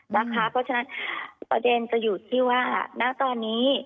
เพราะฉะนั้นประเด็นจะอยู่ที่ว่าณตอนนี้